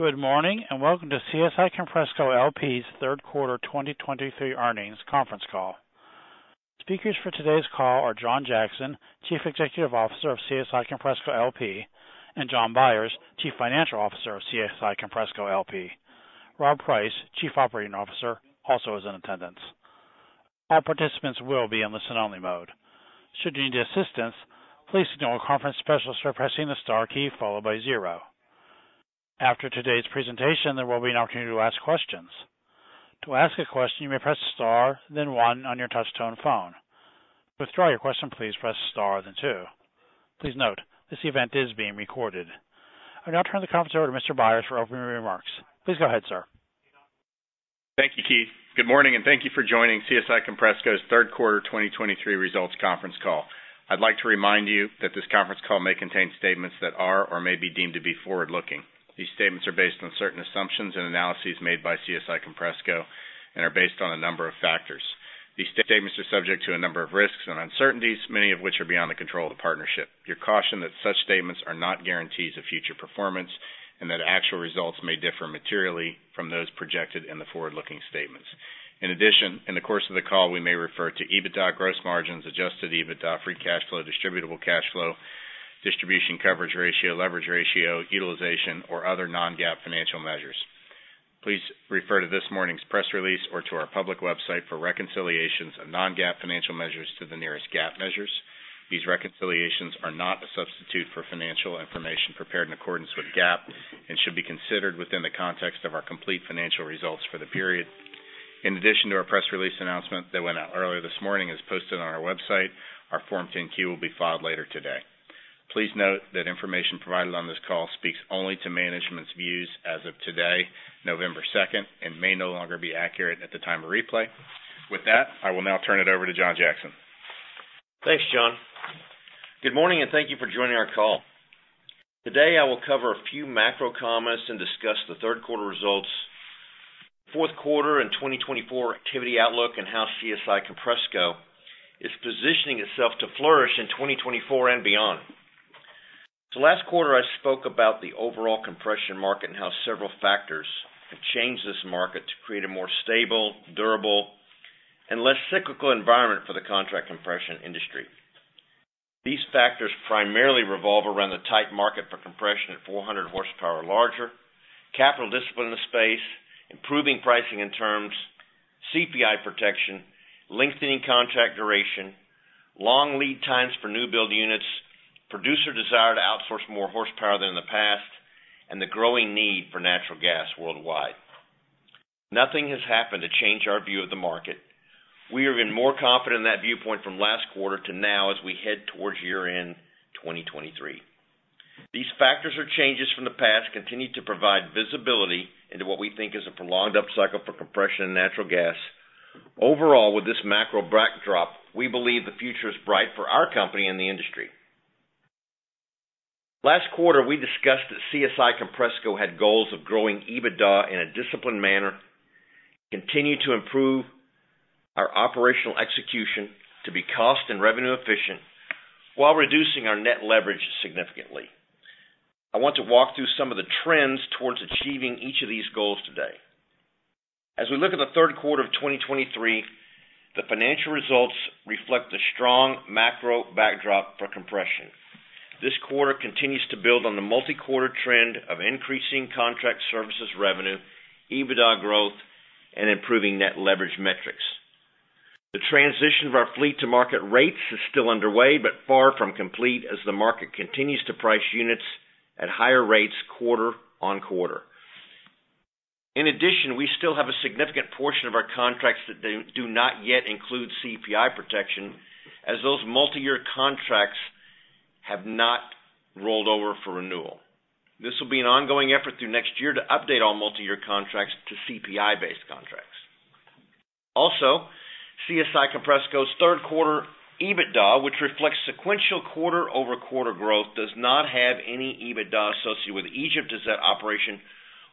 Good morning, and welcome to CSI Compressco LP's third quarter 2023 earnings conference call. Speakers for today's call are John Jackson, Chief Executive Officer of CSI Compressco LP, and Jon Byers, Chief Financial Officer of CSI Compressco LP. Rob Price, Chief Operating Officer, also is in attendance. All participants will be in listen only mode. Should you need assistance, please signal a conference specialist by pressing the star key followed by zero. After today's presentation, there will be an opportunity to ask questions. To ask a question, you may press star, then one on your touchtone phone. To withdraw your question, please press star, then two. Please note, this event is being recorded. I'll now turn the conference over to Mr. Byers for opening remarks. Please go ahead, sir. Thank you, Keith. Good morning, and thank you for joining CSI Compressco's third quarter 2023 results conference call. I'd like to remind you that this conference call may contain statements that are or may be deemed to be forward-looking. These statements are based on certain assumptions and analyses made by CSI Compressco and are based on a number of factors. These statements are subject to a number of risks and uncertainties, many of which are beyond the control of the partnership. You're cautioned that such statements are not guarantees of future performance and that actual results may differ materially from those projected in the forward-looking statements. In addition, in the course of the call, we may refer to EBITDA, gross margins, adjusted EBITDA, free cash flow, distributable cash flow, distribution coverage ratio, leverage ratio, utilization, or other non-GAAP financial measures. Please refer to this morning's press release or to our public website for reconciliations of non-GAAP financial measures to the nearest GAAP measures. These reconciliations are not a substitute for financial information prepared in accordance with GAAP and should be considered within the context of our complete financial results for the period. In addition to our press release announcement that went out earlier this morning, as posted on our website, our Form 10-Q will be filed later today. Please note that information provided on this call speaks only to management's views as of today, November second, and may no longer be accurate at the time of replay. With that, I will now turn it over to John Jackson. Thanks, Jon. Good morning, and thank you for joining our call. Today, I will cover a few macro comments and discuss the third quarter results, fourth quarter, and 2024 activity outlook, and how CSI Compressco is positioning itself to flourish in 2024 and beyond. So last quarter, I spoke about the overall compression market and how several factors have changed this market to create a more stable, durable, and less cyclical environment for the contract compression industry. These factors primarily revolve around the tight market for compression at 400 horsepower larger, capital discipline in the space, improving pricing and terms, CPI protection, lengthening contract duration, long lead times for new build units, producer desire to outsource more horsepower than in the past, and the growing need for natural gas worldwide. Nothing has happened to change our view of the market. We are even more confident in that viewpoint from last quarter to now as we head towards year-end 2023. These factors or changes from the past continue to provide visibility into what we think is a prolonged upcycle for compression and natural gas. Overall, with this macro backdrop, we believe the future is bright for our company and the industry. Last quarter, we discussed that CSI Compressco had goals of growing EBITDA in a disciplined manner, continue to improve our operational execution to be cost and revenue efficient while reducing our net leverage significantly. I want to walk through some of the trends towards achieving each of these goals today. As we look at the third quarter of 2023, the financial results reflect the strong macro backdrop for compression. This quarter continues to build on the multi-quarter trend of increasing contract services revenue, EBITDA growth, and improving net leverage metrics. The transition of our fleet to market rates is still underway, but far from complete, as the market continues to price units at higher rates quarter-over-quarter. In addition, we still have a significant portion of our contracts that do not yet include CPI protection, as those multi-year contracts have not rolled over for renewal. This will be an ongoing effort through next year to update all multi-year contracts to CPI-based contracts. Also, CSI Compressco's third quarter EBITDA, which reflects sequential quarter-over-quarter growth, does not have any EBITDA associated with Egypt, as that operation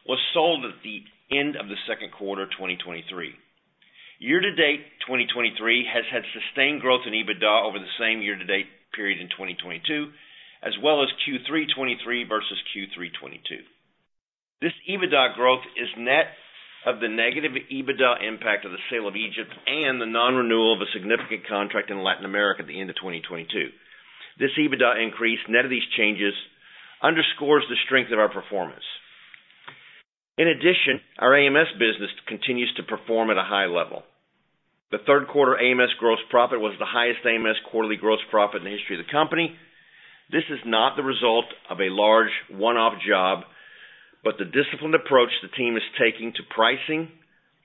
was sold at the end of the second quarter, 2023. Year to date, 2023 has had sustained growth in EBITDA over the same year-to-date period in 2022, as well as Q3 2023 versus Q3 2022. This EBITDA growth is net of the negative EBITDA impact of the sale of Egypt and the non-renewal of a significant contract in Latin America at the end of 2022. This EBITDA increase, net of these changes, underscores the strength of our performance. In addition, our AMS business continues to perform at a high level. The third quarter AMS gross profit was the highest AMS quarterly gross profit in the history of the company. This is not the result of a large one-off job, but the disciplined approach the team is taking to pricing,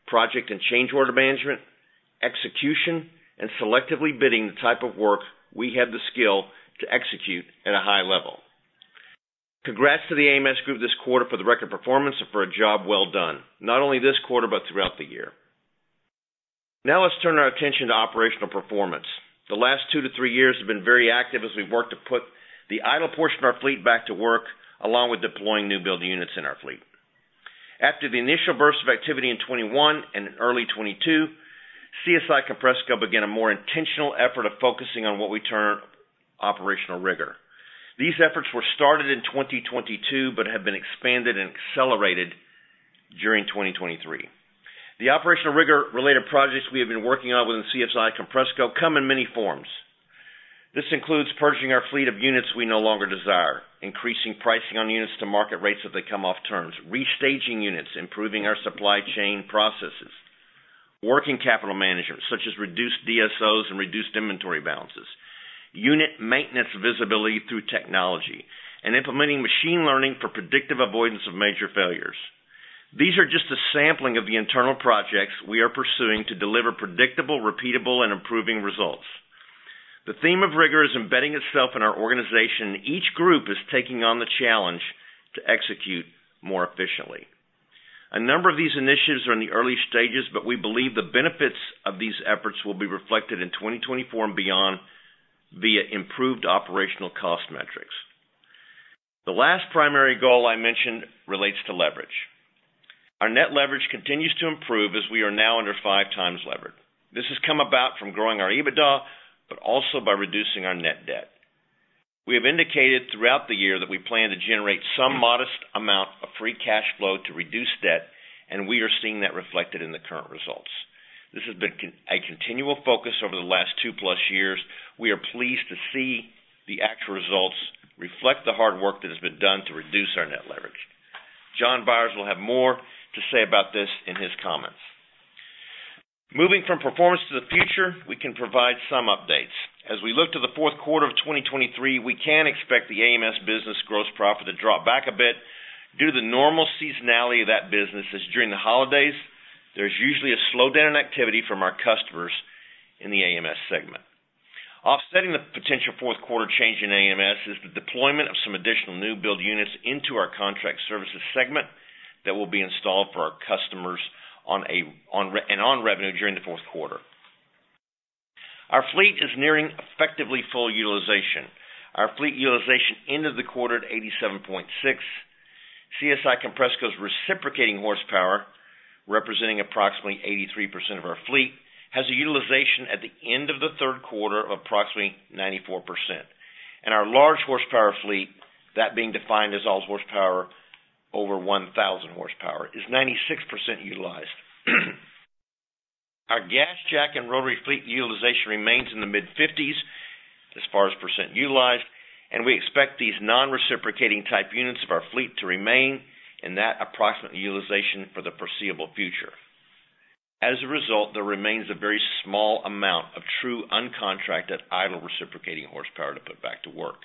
project and change order management, execution, and selectively bidding the type of work we have the skill to execute at a high level. Congrats to the AMS group this quarter for the record performance and for a job well done, not only this quarter, but throughout the year. Now, let's turn our attention to operational performance. The last 2-3 years have been very active as we've worked to put the idle portion of our fleet back to work, along with deploying new build units in our fleet.... After the initial burst of activity in 2021 and in early 2022, CSI Compressco began a more intentional effort of focusing on what we term operational rigor. These efforts were started in 2022, but have been expanded and accelerated during 2023. The operational rigor related projects we have been working on within CSI Compressco come in many forms. This includes purging our fleet of units we no longer desire, increasing pricing on units to market rates as they come off terms, restaging units, improving our supply chain processes, working capital management, such as reduced DSOs and reduced inventory balances, unit maintenance visibility through technology, and implementing machine learning for predictive avoidance of major failures. These are just a sampling of the internal projects we are pursuing to deliver predictable, repeatable, and improving results. The theme of rigor is embedding itself in our organization, and each group is taking on the challenge to execute more efficiently. A number of these initiatives are in the early stages, but we believe the benefits of these efforts will be reflected in 2024 and beyond, via improved operational cost metrics. The last primary goal I mentioned relates to leverage. Our net leverage continues to improve as we are now under 5x levered. This has come about from growing our EBITDA, but also by reducing our net debt. We have indicated throughout the year that we plan to generate some modest amount of free cash flow to reduce debt, and we are seeing that reflected in the current results. This has been a continual focus over the last 2+ years. We are pleased to see the actual results reflect the hard work that has been done to reduce our net leverage. Jon Byers will have more to say about this in his comments. Moving from performance to the future, we can provide some updates. As we look to the fourth quarter of 2023, we can expect the AMS business gross profit to drop back a bit due to the normal seasonality of that business, as during the holidays, there's usually a slowdown in activity from our customers in the AMS segment. Offsetting the potential fourth quarter change in AMS is the deployment of some additional new build units into our contract services segment that will be installed for our customers on revenue during the fourth quarter. Our fleet is nearing effectively full utilization. Our fleet utilization ended the quarter at 87.6%. CSI Compressco's reciprocating horsepower, representing approximately 83% of our fleet, has a utilization at the end of the third quarter of approximately 94%. Our large horsepower fleet, that being defined as all horsepower over 1,000 horsepower, is 96% utilized. Our GasJack and rotary fleet utilization remains in the mid-50s% utilized, and we expect these non-reciprocating type units of our fleet to remain in that approximate utilization for the foreseeable future. As a result, there remains a very small amount of true uncontracted, idle, reciprocating horsepower to put back to work.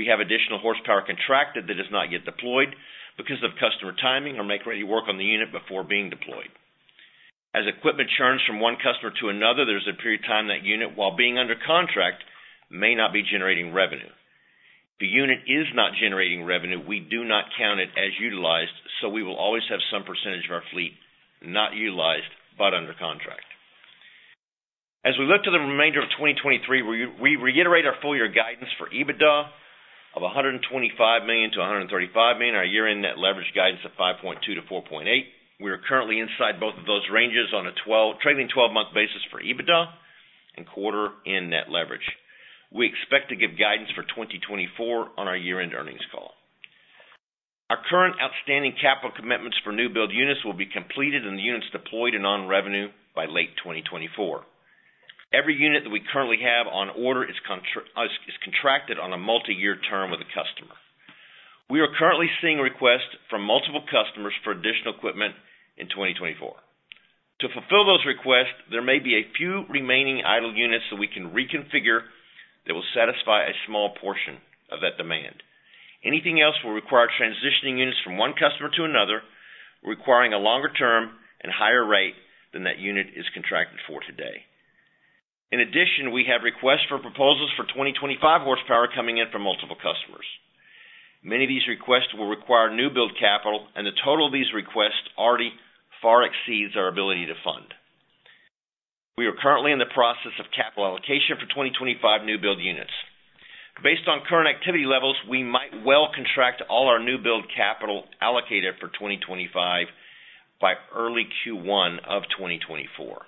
We have additional horsepower contracted that is not yet deployed because of customer timing or make-ready work on the unit before being deployed. As equipment churns from one customer to another, there's a period of time that unit, while being under contract, may not be generating revenue. If the unit is not generating revenue, we do not count it as utilized, so we will always have some percentage of our fleet not utilized, but under contract. As we look to the remainder of 2023, we reiterate our full year guidance for EBITDA of $125,000,000-$135,000,000, our year-end net leverage guidance of 5.2-4.8. We are currently inside both of those ranges on a trailing twelve-month basis for EBITDA and quarter-end net leverage. We expect to give guidance for 2024 on our year-end earnings call. Our current outstanding capital commitments for new build units will be completed, and the units deployed and on revenue by late 2024. Every unit that we currently have on order is contracted on a multiyear term with the customer. We are currently seeing requests from multiple customers for additional equipment in 2024. To fulfill those requests, there may be a few remaining idle units that we can reconfigure that will satisfy a small portion of that demand. Anything else will require transitioning units from one customer to another, requiring a longer term and higher rate than that unit is contracted for today. In addition, we have requests for proposals for 2025 horsepower coming in from multiple customers. Many of these requests will require new build capital, and the total of these requests already far exceeds our ability to fund. We are currently in the process of capital allocation for 2025 new build units. Based on current activity levels, we might well contract all our new build capital allocated for 2025 by early Q1 of 2024.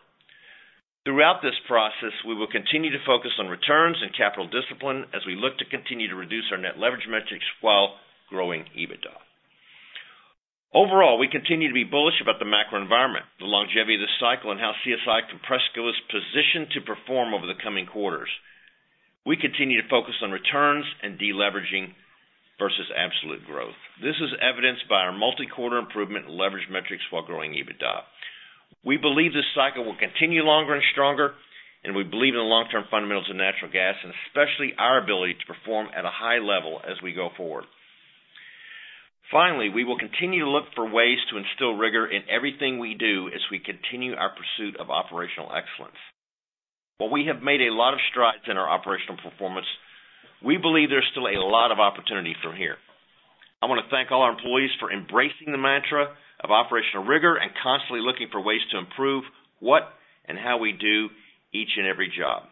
Throughout this process, we will continue to focus on returns and capital discipline as we look to continue to reduce our net leverage metrics while growing EBITDA. Overall, we continue to be bullish about the macro environment, the longevity of this cycle, and how CSI Compressco is positioned to perform over the coming quarters. We continue to focus on returns and deleveraging versus absolute growth. This is evidenced by our multi-quarter improvement in leverage metrics while growing EBITDA. We believe this cycle will continue longer and stronger, and we believe in the long-term fundamentals of natural gas, and especially our ability to perform at a high level as we go forward. Finally, we will continue to look for ways to instill rigor in everything we do as we continue our pursuit of operational excellence. While we have made a lot of strides in our operational performance, we believe there's still a lot of opportunity from here. I want to thank all our employees for embracing the mantra of operational rigor and constantly looking for ways to improve what and how we do each and every job.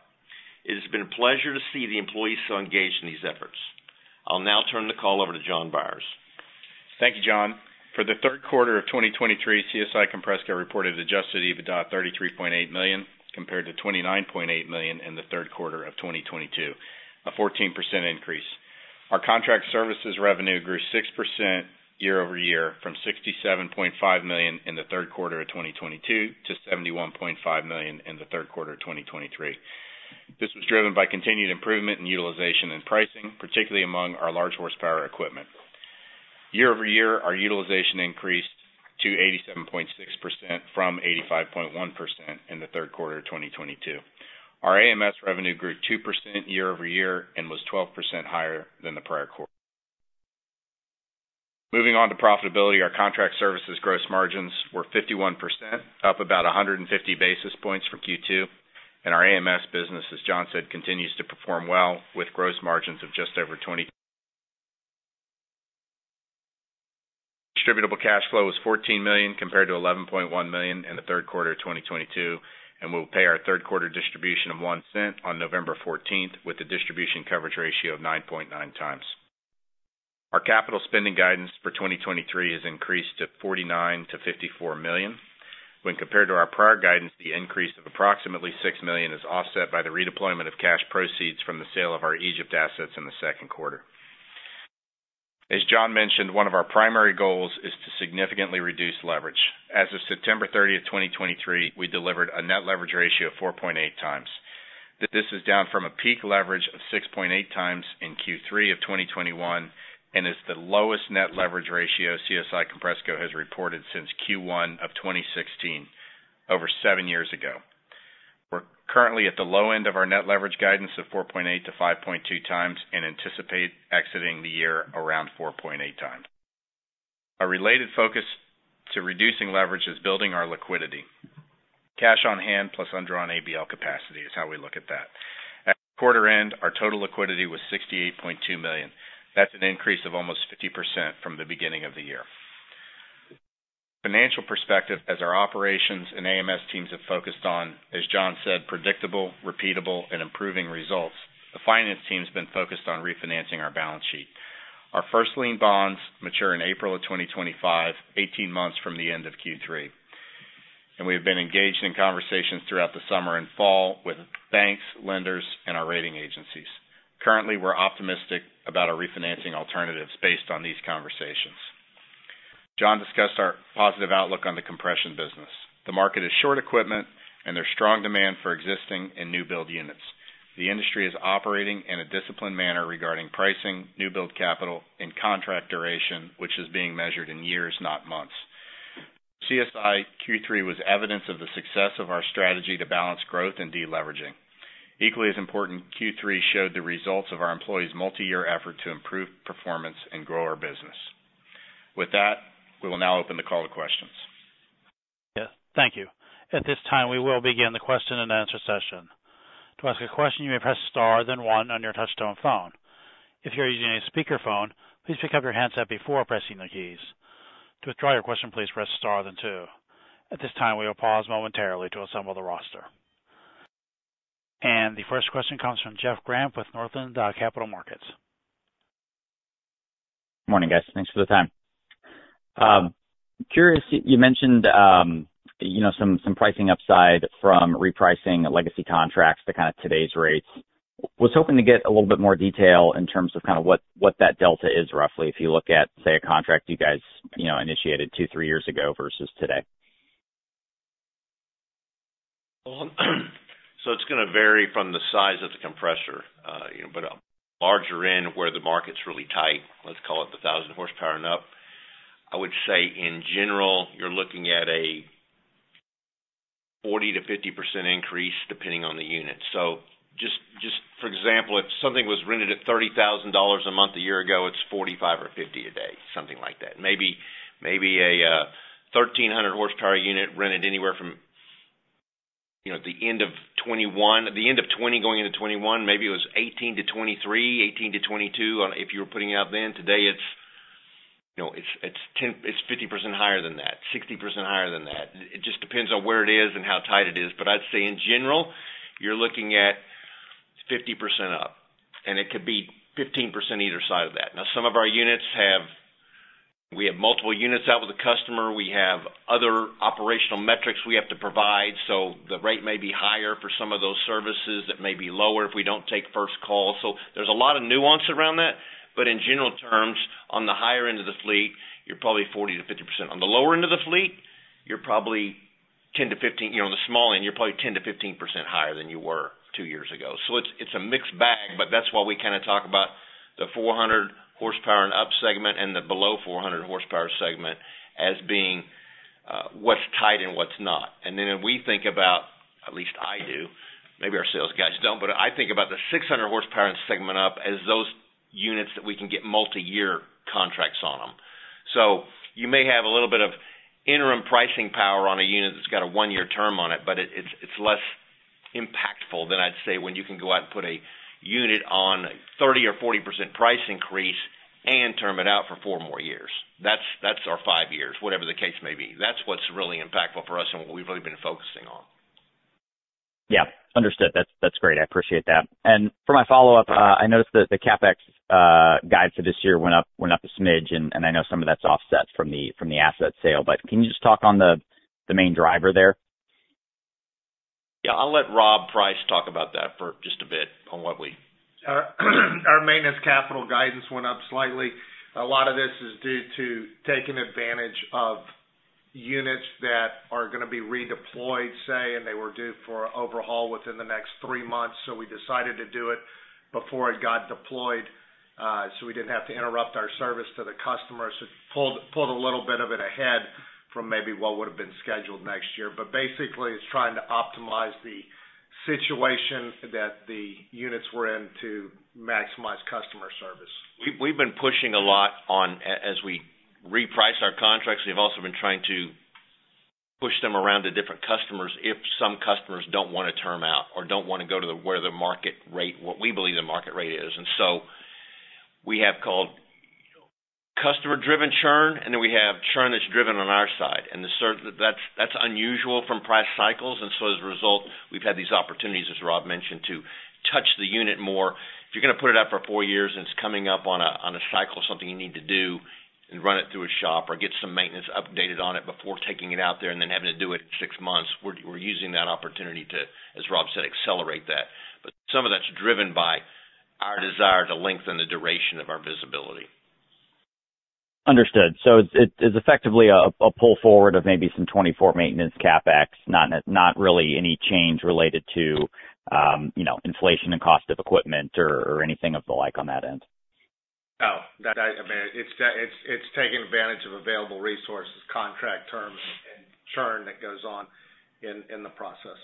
It has been a pleasure to see the employees so engaged in these efforts. I'll now turn the call over to Jon Byers. Thank you, John. For the third quarter of 2023, CSI Compressco reported adjusted EBITDA of $33,800,000, compared to $29,800,000 in the third quarter of 2022, a 14% increase. Our contract services revenue grew 6% year-over-year, from $67,500,000 in the third quarter of 2022 to $71,500,000 in the third quarter of 2023. This was driven by continued improvement in utilization and pricing, particularly among our large horsepower equipment. Year-over-year, our utilization increased to 87.6% from 85.1% in the third quarter of 2022. Our AMS revenue grew 2% year-over-year and was 12% higher than the prior quarter. Moving on to profitability. Our contract services gross margins were 51%, up about 150 basis points from Q2, and our AMS business, as John said, continues to perform well, with gross margins of just over 20%. Distributable cash flow was $14,000,000, compared to $11,100,000 in the third quarter of 2022, and we'll pay our third quarter distribution of $0.01 on November 14th, with a distribution coverage ratio of 9.9 times. Our capital spending guidance for 2023 has increased to $49,000,000-$54,000,000. When compared to our prior guidance, the increase of approximately $6,000,000 is offset by the redeployment of cash proceeds from the sale of our Egypt assets in the second quarter. As John mentioned, one of our primary goals is to significantly reduce leverage. As of September 30, 2023, we delivered a net leverage ratio of 4.8 times. This is down from a peak leverage of 6.8 times in Q3 of 2021, and is the lowest net leverage ratio CSI Compressco has reported since Q1 of 2016, over seven years ago. We're currently at the low end of our net leverage guidance of 4.8-5.2 times, and anticipate exiting the year around 4.8 times. A related focus to reducing leverage is building our liquidity. Cash on hand, plus undrawn ABL capacity, is how we look at that. At quarter end, our total liquidity was $68,200,000. That's an increase of almost 50% from the beginning of the year. Financial perspective, as our operations and AMS teams have focused on, as John said, predictable, repeatable, and improving results, the finance team's been focused on refinancing our balance sheet. Our First Lien Bonds mature in April 2025, 18 months from the end of Q3, and we have been engaged in conversations throughout the summer and fall with banks, lenders, and our rating agencies. Currently, we're optimistic about our refinancing alternatives based on these conversations. John discussed our positive outlook on the compression business. The market is short equipment, and there's strong demand for existing and new build units. The industry is operating in a disciplined manner regarding pricing, new build capital, and contract duration, which is being measured in years, not months. CSI Q3 was evidence of the success of our strategy to balance growth and deleveraging. Equally as important, Q3 showed the results of our employees' multi-year effort to improve performance and grow our business. With that, we will now open the call to questions. Yes, thank you. At this time, we will begin the question-and-answer session. To ask a question, you may press star, then one on your touchtone phone. If you're using a speakerphone, please pick up your handset before pressing the keys. To withdraw your question, please press star, then two. At this time, we will pause momentarily to assemble the roster. And the first question comes from Jeff Grampp with Northland Capital Markets. Morning, guys. Thanks for the time. Curious, you mentioned, you know, some pricing upside from repricing legacy contracts to kind of today's rates. Was hoping to get a little bit more detail in terms of kind of what that delta is, roughly, if you look at, say, a contract you guys, you know, initiated 2-3 years ago versus today. Well, so it's gonna vary from the size of the compressor, you know, but a larger end where the market's really tight, let's call it the 1,000 horsepower and up. I would say in general, you're looking at a 40%-50% increase, depending on the unit. So just for example, if something was rented at $30,000 a month, a year ago, it's $45 or $50 a day, something like that. Maybe a thirteen hundred horsepower unit rented anywhere from, you know, at the end of 2021. The end of 2020, going into 2021, maybe it was $18-$23, $18-$22, if you were putting it out then. Today, it's, you know, it's 50% higher than that, 60% higher than that. It just depends on where it is and how tight it is. But I'd say in general, you're looking at 50% up, and it could be 15% either side of that. Now, some of our units have, we have multiple units out with the customer. We have other operational metrics we have to provide, so the rate may be higher for some of those services. It may be lower if we don't take first call. So there's a lot of nuance around that, but in general terms, on the higher end of the fleet, you're probably 40%-50%. On the lower end of the fleet, you're probably 10-15, you know, the small end, you're probably 10%-15% higher than you were two years ago. So it's a mixed bag, but that's why we kind of talk about the 400-horsepower and up segment and the below 400-horsepower segment as being what's tight and what's not. And then if we think about, at least I do, maybe our sales guys don't, but I think about the 600-horsepower and up segment as those units that we can get multi-year contracts on them. So you may have a little bit of interim pricing power on a unit that's got a one-year term on it, but it's less impactful than I'd say when you can go out and put a unit on 30% or 40% price increase-... and term it out for 4 more years. That's, that's our 5 years, whatever the case may be. That's what's really impactful for us and what we've really been focusing on. Yeah, understood. That's, that's great. I appreciate that. And for my follow-up, I noticed that the CapEx guide for this year went up, went up a smidge, and I know some of that's offset from the asset sale, but can you just talk on the main driver there? Yeah, I'll let Rob Price talk about that for just a bit on what we- Our maintenance capital guidance went up slightly. A lot of this is due to taking advantage of units that are gonna be redeployed, say, and they were due for overhaul within the next three months, so we decided to do it before it got deployed, so we didn't have to interrupt our service to the customers. So pulled a little bit of it ahead from maybe what would have been scheduled next year. But basically, it's trying to optimize the situation that the units were in to maximize customer service. We've been pushing a lot on, as we reprice our contracts, we've also been trying to push them around to different customers if some customers don't wanna term out or don't wanna go to the, where the market rate... what we believe the market rate is. And so we have called customer-driven churn, and then we have churn that's driven on our side. And that's unusual from price cycles, and so as a result, we've had these opportunities, as Rob mentioned, to touch the unit more. If you're gonna put it out for four years, and it's coming up on a cycle, something you need to do and run it through a shop or get some maintenance updated on it before taking it out there and then having to do it six months, we're using that opportunity to, as Rob said, accelerate that. But some of that's driven by our desire to lengthen the duration of our visibility. Understood. So it, it's effectively a pull forward of maybe some 24 maintenance CapEx, not really any change related to, you know, inflation and cost of equipment or anything of the like on that end? Oh, that, I mean, it's taking advantage of available resources, contract terms, and churn that goes on in the process.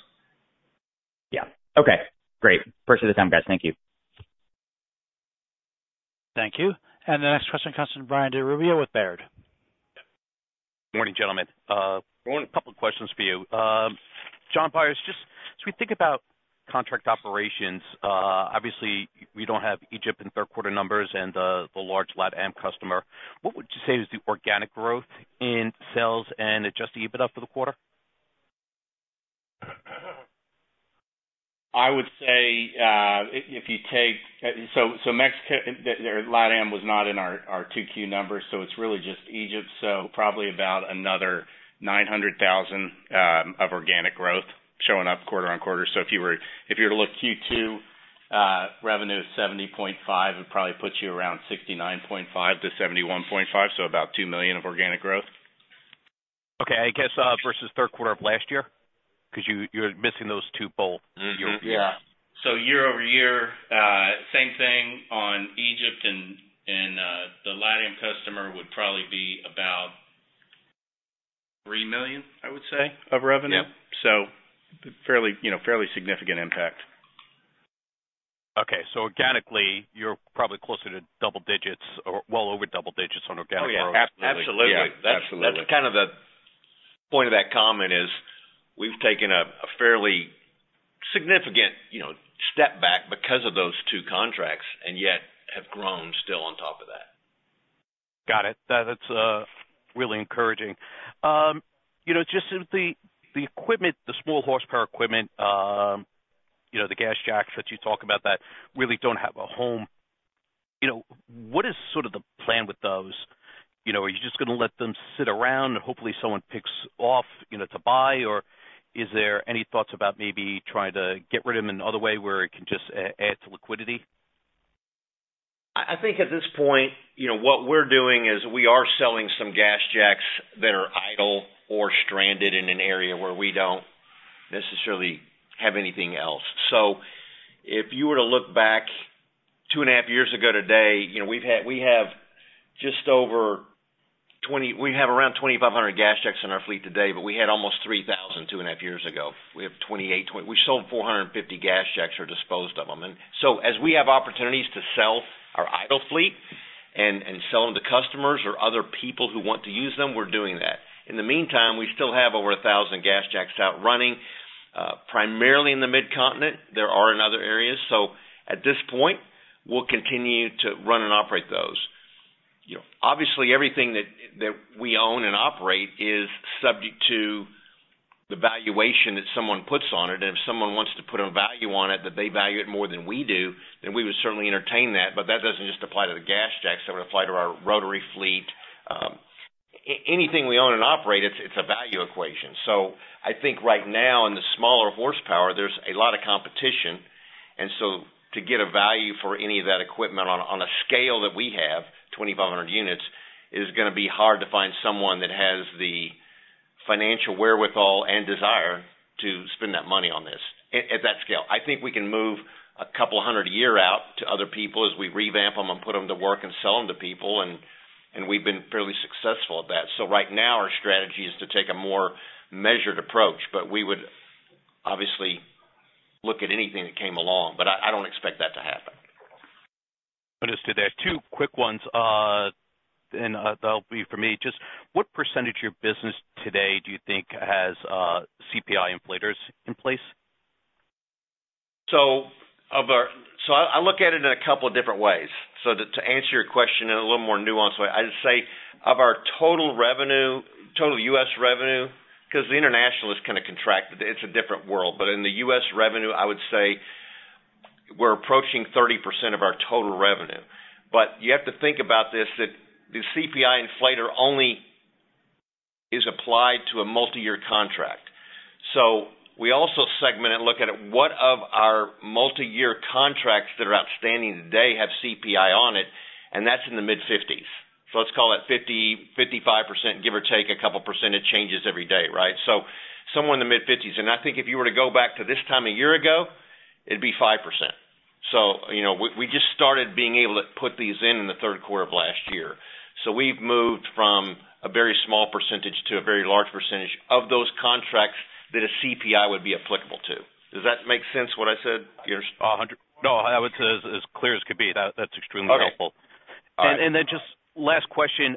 Yeah. Okay, great. Appreciate the time, guys. Thank you. Thank you. And the next question comes from Brian DiRubbio with Baird. Good morning, gentlemen. Morning. A couple of questions for you. Jon Byers, just as we think about contract operations, obviously, we don't have Egypt in third quarter numbers and the large LatAm customer. What would you say is the organic growth in sales and adjusted EBITDA for the quarter? I would say, if you take Mexico, their LatAm was not in our 2Q numbers, so it's really just Egypt. So probably about another $900,000 of organic growth showing up quarter-over-quarter. So if you were to look at Q2 revenue of $70,500,000, it probably puts you around $69,500,000-$71,500,000, so about $2,000,000of organic growth. Okay. I guess versus third quarter of last year? Because you, you're missing those two both year-over-year. Mm-hmm. Yeah. So year-over-year, same thing on Egypt and the LatAm customer would probably be about $3,000,000, I would say, of revenue. Yeah. Fairly, you know, fairly significant impact. Okay. So organically, you're probably closer to double digits or well over double digits on organic growth. Oh, yeah. Absolutely. Absolutely. Yeah. Absolutely. That's kind of the point of that comment is, we've taken a fairly significant, you know, step back because of those two contracts, and yet have grown still on top of that. Got it. That's really encouraging. You know, just the equipment, the small horsepower equipment, you know, the GasJacks that you talk about that really don't have a home. You know, what is sort of the plan with those? You know, are you just gonna let them sit around and hopefully someone picks off, you know, to buy? Or is there any thoughts about maybe trying to get rid of them in other way, where it can just add to liquidity? I think at this point, you know, what we're doing is we are selling some GasJacks that are idle or stranded in an area where we don't necessarily have anything else. So if you were to look back two and a half years ago today, you know, we've had—we have just over 20. We have around 2,500 GasJacks in our fleet today, but we had almost 3,000 two and a half years ago. We had 2,800—we sold 450 GasJacks or disposed of them. And so as we have opportunities to sell our idle fleet and sell them to customers or other people who want to use them, we're doing that. In the meantime, we still have over 1,000 GasJacks out running, primarily in the Mid-Continent. There are in other areas. So at this point, we'll continue to run and operate those. You know, obviously, everything that we own and operate is subject to the valuation that someone puts on it. And if someone wants to put a value on it, that they value it more than we do, then we would certainly entertain that, but that doesn't just apply to the GasJack, that would apply to our rotary fleet. Anything we own and operate, it's a value equation. So I think right now, in the smaller horsepower, there's a lot of competition, and so to get a value for any of that equipment on a scale that we have, 2,500 units, is gonna be hard to find someone that has the financial wherewithal and desire to spend that money on this at that scale. I think we can move 200 a year out to other people as we revamp them and put them to work and sell them to people, and we've been fairly successful at that. So right now, our strategy is to take a more measured approach, but we would obviously look at anything that came along, but I don't expect that to happen. Understood. There are two quick ones, and that'll be for me. Just what percentage of your business today do you think has CPI inflators in place?... So of our—so I, I look at it in a couple of different ways. So to, to answer your question in a little more nuanced way, I'd say of our total revenue, total U.S. revenue, 'cause the international is kind of contracted. It's a different world. But in the U.S. revenue, I would say we're approaching 30% of our total revenue. But you have to think about this, that the CPI inflator only is applied to a multi-year contract. So we also segment and look at it, what of our multi-year contracts that are outstanding today have CPI on it, and that's in the mid-50s. So let's call it 50, 55%, give or take a couple percentage changes every day, right? So somewhere in the mid-50s, and I think if you were to go back to this time a year ago, it'd be 5%. So, you know, we, we just started being able to put these in, in the third quarter of last year. So we've moved from a very small percentage to a very large percentage of those contracts that a CPI would be applicable to. Does that make sense what I said, Peter? No, I would say as, as clear as could be. That, that's extremely helpful. Okay. All right. And then just last question.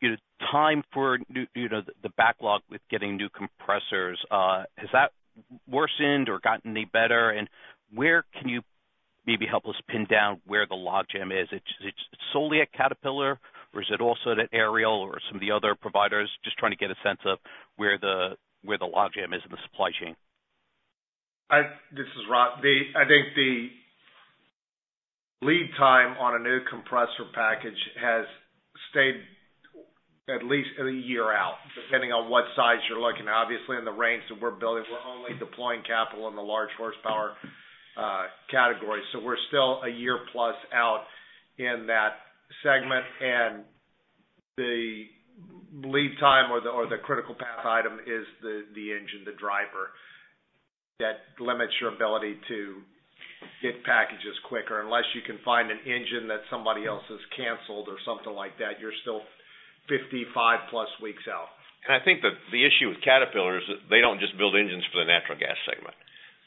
You know, time for new, you know, the backlog with getting new compressors, has that worsened or gotten any better? And where can you maybe help us pin down where the logjam is? It's solely at Caterpillar, or is it also at Ariel or some of the other providers? Just trying to get a sense of where the logjam is in the supply chain. This is Rob. I think the lead time on a new compressor package has stayed at least a year out, depending on what size you're looking. Obviously, in the range that we're building, we're only deploying capital in the large horsepower category. So we're still a year plus out in that segment, and the lead time or the critical path item is the engine, the driver, that limits your ability to get packages quicker. Unless you can find an engine that somebody else has canceled or something like that, you're still 55+ weeks out. And I think that the issue with Caterpillar is that they don't just build engines for the natural gas segment.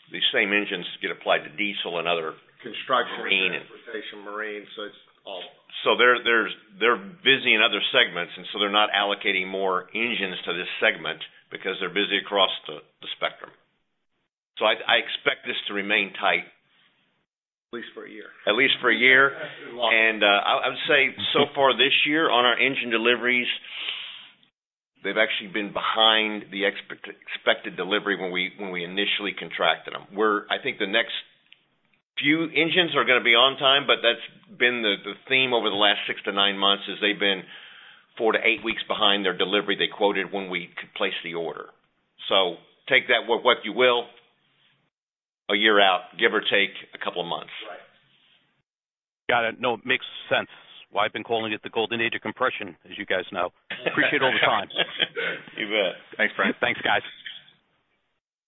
These same engines get applied to diesel and other- Construction- Marine... transportation, marine, so it's all. So they're busy in other segments, and so they're not allocating more engines to this segment because they're busy across the spectrum. So I expect this to remain tight. At least for a year. At least for 1 year. I would say so far this year, on our engine deliveries, they've actually been behind the expected delivery when we initially contracted them. I think the next few engines are gonna be on time, but that's been the theme over the last 6-9 months, is they've been 4-8 weeks behind their delivery they quoted when we placed the order. So take that with what you will, 1 year out, give or take a couple of months. Right. Got it. No, it makes sense. Why I've been calling it the golden age of compression, as you guys know. Appreciate all the time. You bet. Thanks, Frank. Thanks, guys.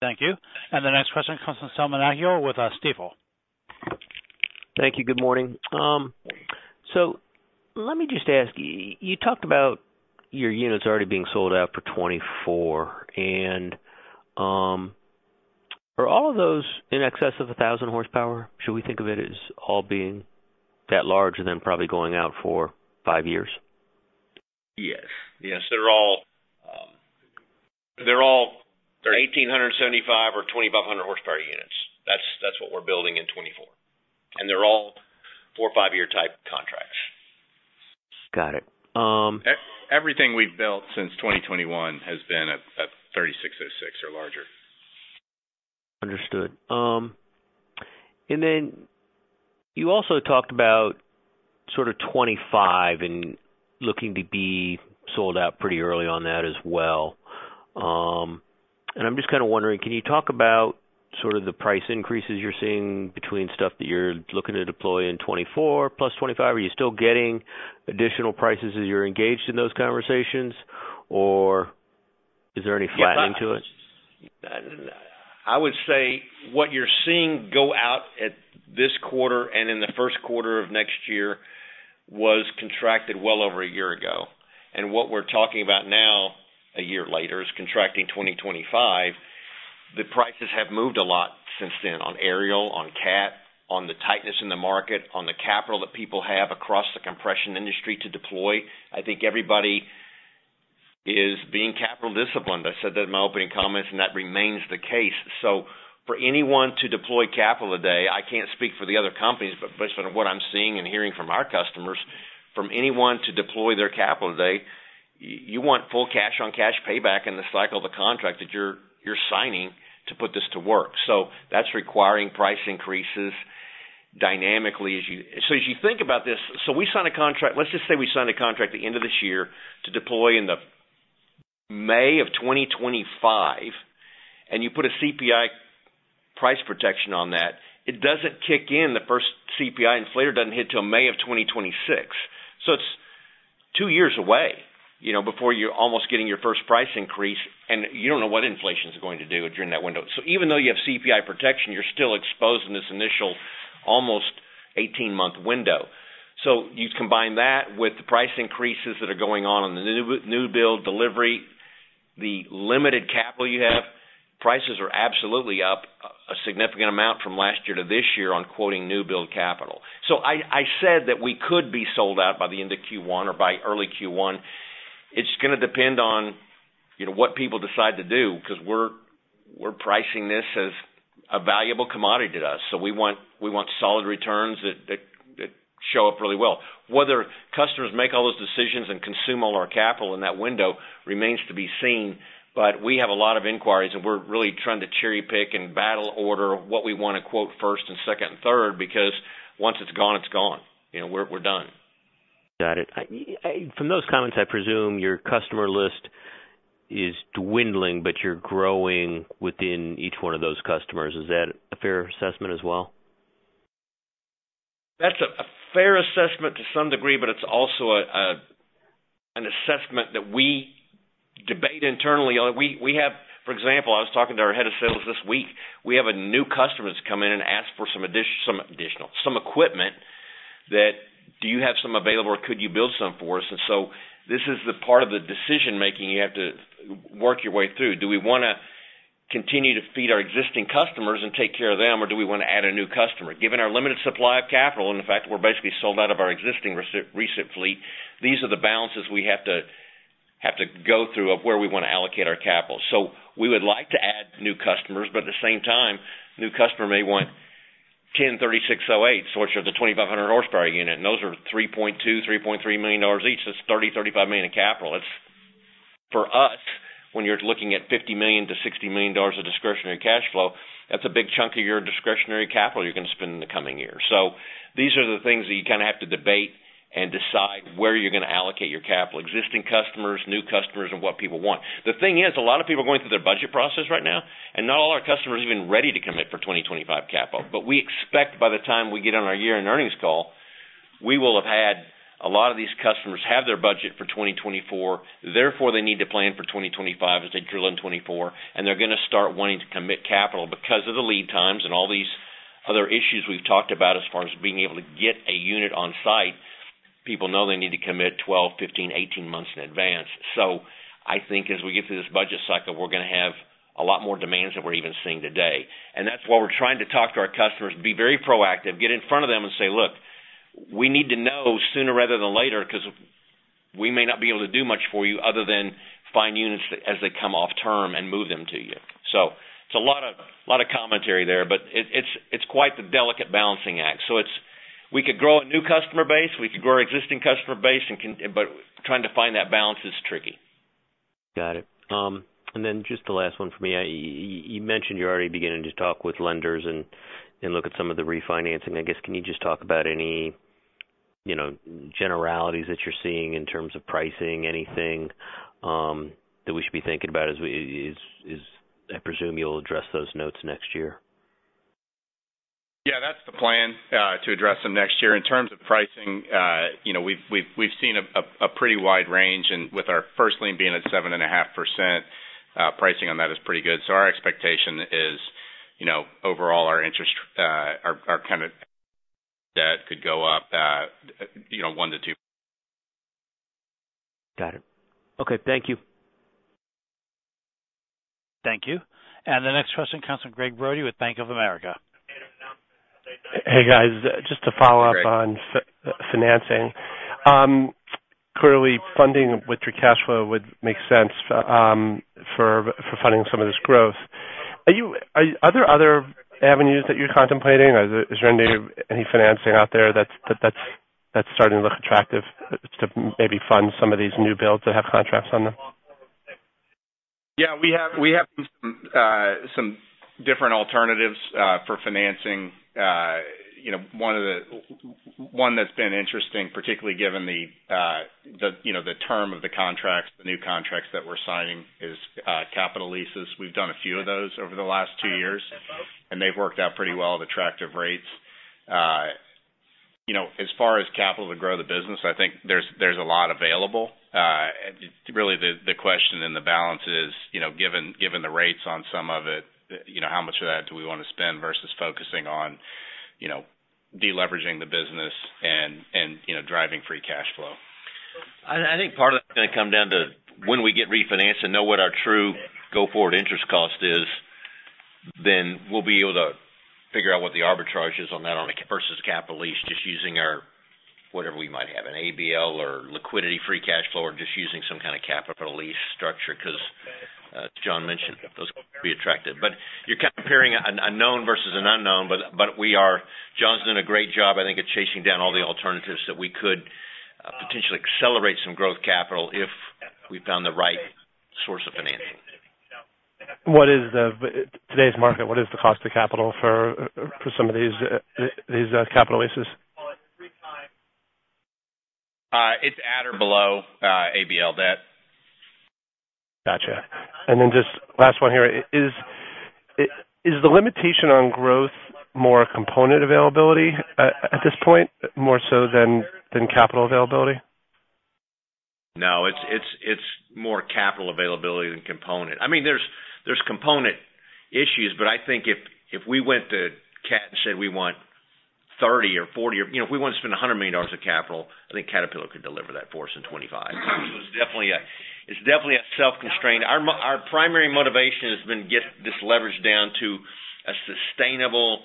Thank you. The next question comes from Selman Akyol with Stifel. Thank you. Good morning. So let me just ask, you talked about your units already being sold out for 2024, and, are all of those in excess of 1,000 horsepower? Should we think of it as all being that large and then probably going out for 5 years? Yes. Yes, they're all, they're all 1,875 or 2,500 horsepower units. That's, that's what we're building in 2024, and they're all 4- or 5-year type contracts. Got it, Everything we've built since 2021 has been a 3606 or larger. Understood. And then you also talked about sort of 25 and looking to be sold out pretty early on that as well. And I'm just kind of wondering, can you talk about sort of the price increases you're seeing between stuff that you're looking to deploy in 2024, plus 2025? Are you still getting additional prices as you're engaged in those conversations, or is there any flattening to it? I would say what you're seeing go out at this quarter and in the first quarter of next year was contracted well over a year ago. And what we're talking about now, a year later, is contracting 2025. The prices have moved a lot since then on Ariel, on Cat, on the tightness in the market, on the capital that people have across the compression industry to deploy. I think everybody is being capital disciplined. I said that in my opening comments, and that remains the case. So for anyone to deploy capital today, I can't speak for the other companies, but based on what I'm seeing and hearing from our customers, from anyone to deploy their capital today, you want full cash on cash payback in the cycle of the contract that you're signing to put this to work. So that's requiring price increases dynamically as you think about this, so we sign a contract. Let's just say we sign a contract at the end of this year to deploy in May of 2025, and you put a CPI price protection on that. It doesn't kick in, the first CPI inflator doesn't hit till May of 2026. So it's two years away, you know, before you're almost getting your first price increase, and you don't know what inflation is going to do during that window. So even though you have CPI protection, you're still exposed in this initial, almost 18-month window. So you combine that with the price increases that are going on in the new build delivery, the limited capital you have, prices are absolutely up a significant amount from last year to this year on quoting new build capital. So I said that we could be sold out by the end of Q1 or by early Q1. It's gonna depend on, you know, what people decide to do, because we're pricing this as a valuable commodity to us. So we want solid returns that show up really well. Whether customers make all those decisions and consume all our capital in that window remains to be seen, but we have a lot of inquiries, and we're really trying to cherry-pick and battle order what we want to quote first and second and third, because once it's gone, it's gone. You know, we're done. Got it. I, from those comments, I presume your customer list is dwindling, but you're growing within each one of those customers. Is that a fair assessment as well? That's a fair assessment to some degree, but it's also an assessment that we debate internally on. We have, for example, I was talking to our head of sales this week. We have a new customer that's come in and asked for some additional equipment that, "Do you have some available or could you build some for us?" And so this is the part of the decision-making you have to work your way through. Do we wanna continue to feed our existing customers and take care of them, or do we wanna add a new customer? Given our limited supply of capital, and the fact that we're basically sold out of our existing recent fleet, these are the balances we have to go through of where we want to allocate our capital. So we would like to add new customers, but at the same time, a new customer may want 10 3608, which are the 2,500 horsepower unit, and those are $3,200,000-$3,300,000 each. That's $30,000,000-$35,000,000 in capital. It's, for us, when you're looking at $50,000,000-$60,000,000 of discretionary cash flow, that's a big chunk of your discretionary capital you're gonna spend in the coming year. So these are the things that you kind of have to debate and decide where you're gonna allocate your capital, existing customers, new customers, and what people want. The thing is, a lot of people are going through their budget process right now, and not all our customers are even ready to commit for 2025 capital. But we expect by the time we get on our year-end earnings call, we will have had a lot of these customers have their budget for 2024; therefore, they need to plan for 2025 as they drill in 2024, and they're gonna start wanting to commit capital. Because of the lead times and all these other issues we've talked about as far as being able to get a unit on site, people know they need to commit 12, 15, 18 months in advance. So I think as we get through this budget cycle, we're gonna have a lot more demands than we're even seeing today. That's why we're trying to talk to our customers, be very proactive, get in front of them and say, "Look, we need to know sooner rather than later, because we may not be able to do much for you other than find units as they come off term and move them to you." So it's a lot of commentary there, but it's quite the delicate balancing act. So we could grow a new customer base, we could grow our existing customer base and can... But trying to find that balance is tricky. Got it. And then just the last one for me. I, you mentioned you're already beginning to talk with lenders and look at some of the refinancing. I guess, can you just talk about any, you know, generalities that you're seeing in terms of pricing, anything that we should be thinking about as we, as I presume you'll address those notes next year? Yeah, that's the plan to address them next year. In terms of pricing, you know, we've seen a pretty wide range, and with our first lien being at 7.5%, pricing on that is pretty good. So our expectation is, you know, overall, our interest, our kind of debt could go up, you know, 1-2. Got it. Okay, thank you. Thank you. The next question comes from Gregg Brody with Bank of America. Hey, guys, just to follow up on financing. Clearly, funding with your cash flow would make sense for funding some of this growth. Are there other avenues that you're contemplating, or is there any financing out there that's starting to look attractive to maybe fund some of these new builds that have contracts on them? Yeah, we have some different alternatives for financing. You know, one that's been interesting, particularly given the term of the contracts, the new contracts that we're signing, is capital leases. We've done a few of those over the last two years, and they've worked out pretty well at attractive rates. You know, as far as capital to grow the business, I think there's a lot available. Really, the question and the balance is, you know, given the rates on some of it, you know, how much of that do we want to spend versus focusing on deleveraging the business and driving free cash flow. I think part of that is gonna come down to when we get refinanced and know what our true go-forward interest cost is, then we'll be able to figure out what the arbitrage is on that on a versus capital lease, just using our, whatever we might have, an ABL or liquidity free cash flow, or just using some kind of capital lease structure, because as John mentioned, those could be attractive. But you're comparing an unknown versus an unknown, but we are. Jon's doing a great job, I think, at chasing down all the alternatives that we could potentially accelerate some growth capital if we found the right source of financing. What is the, today's market, what is the cost of capital for, for some of these, these, capital leases? It's at or below, ABL debt. Gotcha. And then just last one here. Is the limitation on growth more component availability at this point, more so than capital availability? No, it's more capital availability than component. I mean, there's component issues, but I think if we went to Cat and said, "We want 30 or 40," or, you know, "If we want to spend $100,000,000 of capital," I think Caterpillar could deliver that for us in 25. So it's definitely a self-constraint. Our primary motivation has been get this leverage down to a sustainable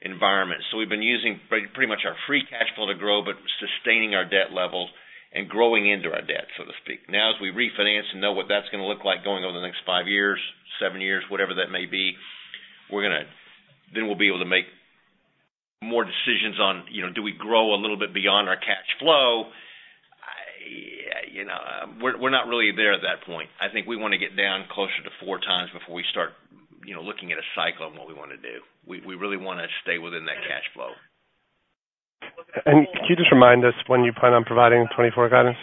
environment. So we've been using pretty much our free cash flow to grow, but sustaining our debt levels and growing into our debt, so to speak. Now, as we refinance and know what that's gonna look like going over the next 5 years, 7 years, whatever that may be, we're gonna, then we'll be able to make more decisions on, you know, do we grow a little bit beyond our cash flow? You know, we're not really there at that point. I think we want to get down closer to 4x before we start, you know, looking at a cycle and what we want to do. We really want to stay within that cash flow. Can you just remind us when you plan on providing 2024 guidance?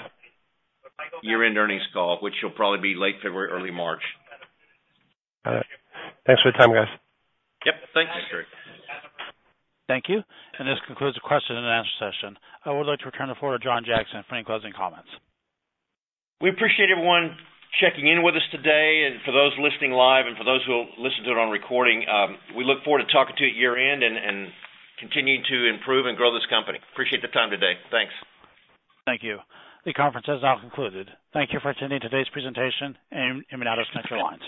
Year-end earnings call, which will probably be late February, early March. Got it. Thanks for your time, guys. Yep. Thanks, Greg. Thank you. This concludes the question and answer session. I would like to return the floor to John Jackson for any closing comments. We appreciate everyone checking in with us today. For those listening live and for those who will listen to it on recording, we look forward to talking to you at year-end and continuing to improve and grow this company. Appreciate the time today. Thanks. Thank you. The conference has now concluded. Thank you for attending today's presentation, and you may now disconnect your lines.